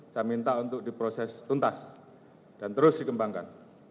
saya minta untuk diproses tuntas dan terus dikembangkan